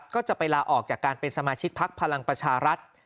ก็จะไปลาออกจากการเป็นสมาชิกพักพลังประชารัฐ